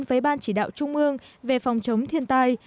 với ban chỉ đạo trung ương về phòng chống thiên tai